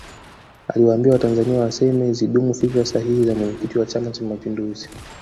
aliwaambia watanzania waseme zidumu fikra sahihi za mwenyekiti wa chama cha mapinduzi